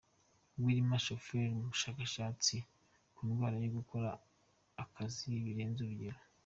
Wilmar Schaufeli, umushakashatsi ku ndwara yo gukora akazi birenze urugero.